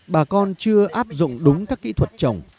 bà con chưa áp dụng đúng các kỹ thuật trồng